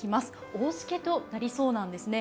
大しけとなりそうなんですね。